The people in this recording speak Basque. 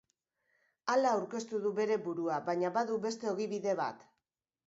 Hala aurkeztu du bere burua baina, badu beste ogibide bat.